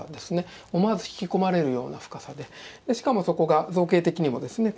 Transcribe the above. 思わず引き込まれるような深さでしかも底が造形的にもですね